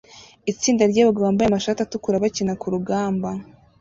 Itsinda ryabagabo bambaye amashati atukura bakina kurugamba